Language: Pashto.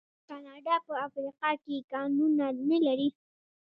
آیا کاناډا په افریقا کې کانونه نلري؟